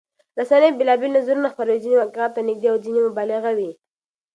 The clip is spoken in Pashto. رسنۍ بېلابېل نظرونه خپروي، ځینې واقعيت ته نږدې او ځینې مبالغه وي.